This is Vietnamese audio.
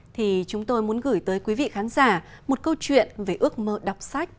thì chúng tôi muốn gửi tới quý vị khán giả một câu chuyện về ước mơ đọc sách